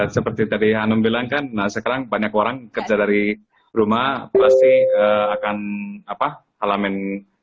seperti tadi hanum bilang kan sekarang banyak orang kerja dari rumah pasti akan alamin